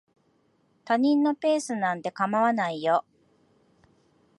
他人のペースなんて構わないよ。